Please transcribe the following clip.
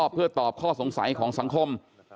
เพื่อตอบข้อสงสัยของสังคม